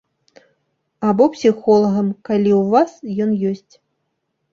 Або псіхолагам, калі ў вас ён ёсць.